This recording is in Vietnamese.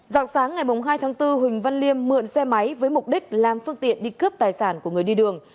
dạng sáng ngày hai tháng bốn huỳnh văn liêm mượn xe máy với mục đích làm phương tiện đi cướp tài sản của người đi đường